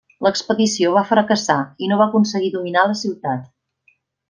L'expedició va fracassar i no va aconseguir dominar la ciutat.